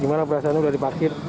gimana perasaannya udah dipaksin